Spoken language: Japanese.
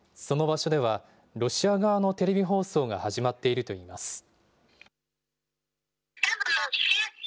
その場所ではロシア側のテレビ放送が始まっているといいます。